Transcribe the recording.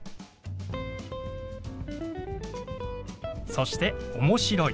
そして「面白い」。